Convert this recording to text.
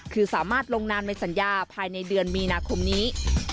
คือสามารถลงนามในสัญญาภายในเดือนมีนาคมนี้